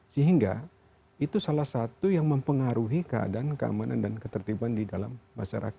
sehingga itu salah satu yang mempengaruhi keadaan keamanan dan ketertiban di dalam masyarakat